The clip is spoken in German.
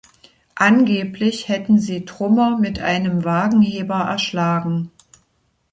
Angeblich hätten sie Trummer mit einem Wagenheber erschlagen.